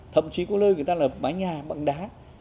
thậm chí có lơi người ta là mái nhà bằng đá